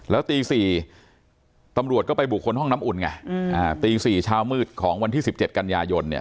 แล้วตี๔ตำรวจก็ไปบุคคลห้องน้ำอุ่นไงตี๔เช้ามืดของวันที่๑๗กันยายนเนี่ย